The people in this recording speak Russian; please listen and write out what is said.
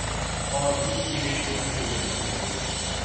Он, видите ли, там кур разводил.